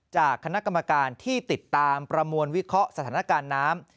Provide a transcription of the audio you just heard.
จากคณะกรรมการที่ติดตามประมวลวิเคราะห์สถานการณ์น้ำ